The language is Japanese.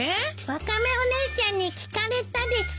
ワカメお姉ちゃんに聞かれたです。